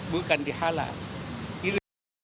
bukan di halal